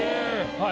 はい。